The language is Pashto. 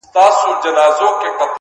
ځکه چي ماته يې زړگی ويلی”